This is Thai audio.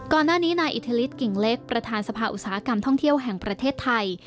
ก่อนหน้านี้นายอิทธิฤทธิกิ่งเล็กประธานสภาอุตสาหกรรมท่องเที่ยวแห่งประเทศไทย